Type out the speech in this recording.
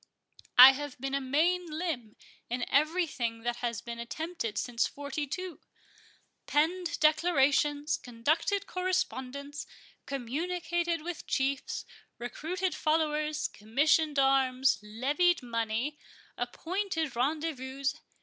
I have been a main limb in every thing that has been attempted since forty two—penned declarations, conducted correspondence, communicated with chiefs, recruited followers, commissioned arms, levied money, appointed rendezvouses.